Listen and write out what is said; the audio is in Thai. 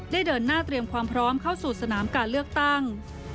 เดินหน้าเตรียมความพร้อมเข้าสู่สนามการเลือกตั้ง